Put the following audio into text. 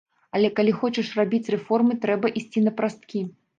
Але, калі хочаш рабіць рэформы, трэба ісці напрасткі.